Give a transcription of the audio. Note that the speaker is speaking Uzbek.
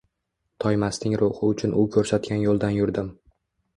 Toymasning ruhi uchun u ko‘rsatgan yo‘ldan yurdim